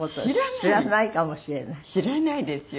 知らないですよ。